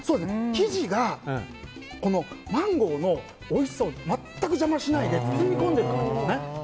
生地がマンゴーのおいしさを全く邪魔しないで包み込んでいる感じですね。